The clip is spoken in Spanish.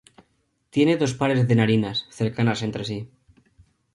Tiene dos pares de narinas, cercanas entre sí.